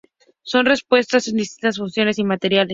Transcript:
Son expuestas en distintas fundiciones y materiales.